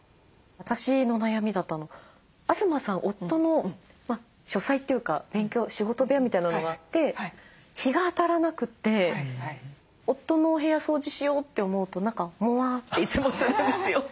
私の悩みだと東さん夫の書斎というか勉強仕事部屋みたいなのがあって日が当たらなくて夫のお部屋掃除しようって思うと何かモワーンっていつもするんですよ。